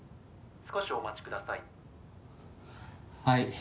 少しお待ちください。